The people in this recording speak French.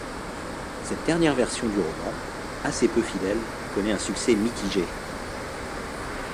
Cette dernière version du roman, assez peu fidèle, connaît un succès mitigé.